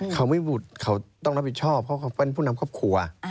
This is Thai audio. เขาไม่บุตรเขาต้องรับผิดชอบเพราะเขาเป็นผู้นำครอบครัว